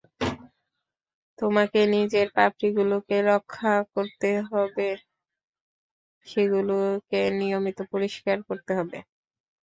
তোমাকে নিজের পাপড়িগুলোকে রক্ষা করতে হবে, সেগুলোকে নিয়মিত পরিষ্কার করতে হবে।